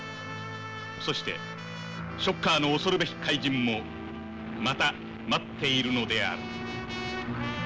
そしてショッカーの恐るべき怪人もまた待っているのである。